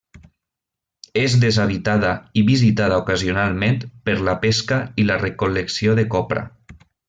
És deshabitada i visitada ocasionalment per la pesca i la recol·lecció de copra.